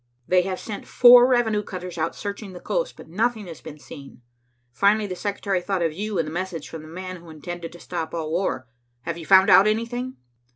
They have sent four revenue cutters out searching the coast, but nothing has been seen. Finally the secretary thought of you and the message from the man who intended to stop all war. Have you found out anything?"